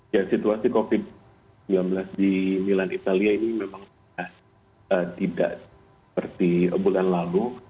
ya situasi covid sembilan belas di milan italia ini memang tidak seperti bulan lalu